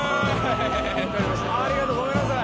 ありがとうごめんなさい。